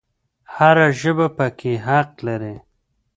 هر ژبه پکې حق لري